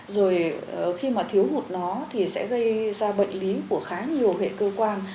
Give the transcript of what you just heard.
rồi khi mà thiếu hụt nó thì sẽ gây ra bệnh ví của khá nhiều hệ cơ quan